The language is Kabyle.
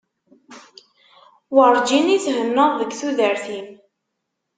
Werǧin i thennaḍ deg tudert-im.